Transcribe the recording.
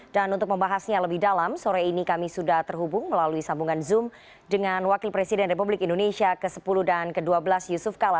untuk membahasnya lebih dalam sore ini kami sudah terhubung melalui sambungan zoom dengan wakil presiden republik indonesia ke sepuluh dan ke dua belas yusuf kala